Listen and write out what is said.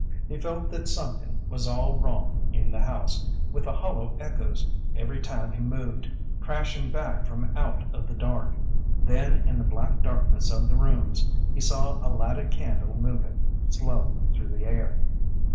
He felt that something was all wrong in the house, with the hollow echoes, every time he moved, crashing back from out of the dark. Then in the black darkness of the rooms he saw a lighted candle moving, slow through the air.